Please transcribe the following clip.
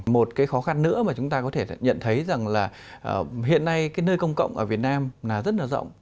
một cái khó khăn nữa mà chúng ta có thể nhận thấy rằng là hiện nay cái nơi công cộng ở việt nam là rất là rộng